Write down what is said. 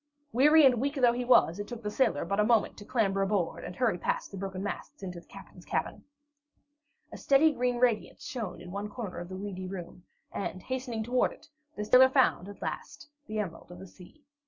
Weary and weak though he was, it took the sailor but a moment to clamber aboard, and hurry past the broken masts into the captain's cabin. A steady, green radiance shone in one corner of the weedy room, and hastening toward it, the sailor found, at last, the Emerald of the Sea.